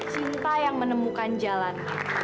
cinta yang menemukan jalan